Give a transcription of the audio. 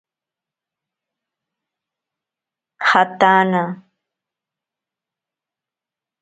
Jataana.